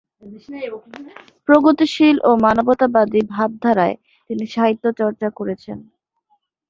প্রগতিশীল ও মানবতাবাদী ভাবধারায় তিনি সাহিত্যচর্চা করেছেন।